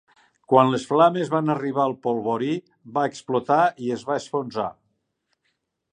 Quan les flames van arribar al polvorí, va explotar i es va enfonsar.